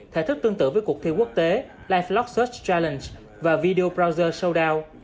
thể thức tương tự với cuộc thi quốc tế lifelog search challenge và video browser showdown